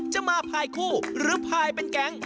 จะมาพายคู่หรือพายเป็นแก๊ง